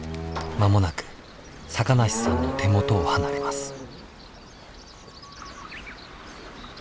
間もなく坂梨さんの手元を離れます。